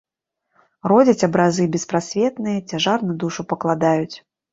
Родзяць абразы беспрасветныя, цяжар на душу пакладаюць.